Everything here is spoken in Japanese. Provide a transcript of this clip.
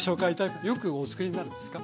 よくおつくりになるんですか？